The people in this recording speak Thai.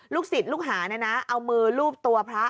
ศิษย์ลูกหาเอามือลูบตัวพระ